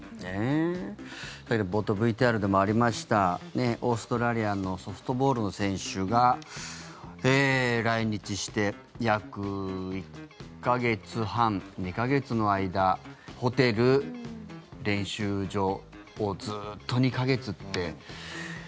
冒頭ＶＴＲでもありましたオーストラリアのソフトボールの選手が来日して約１か月半、２か月の間ホテル、練習場をずっと２か月って。